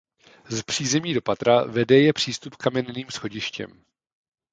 Z přízemí do patra vede je přístup kamenným schodištěm.